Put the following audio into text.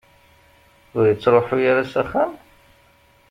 Ur ittruḥu ara s axxam?